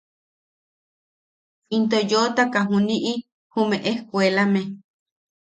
Into yootaka juni’i jume ejkuelame.